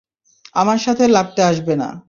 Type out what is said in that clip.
আমার সাথে লাগতে আসবে না।